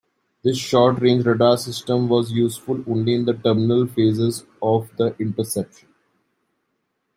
This short-range radar system was useful only in the terminal phases of the interception.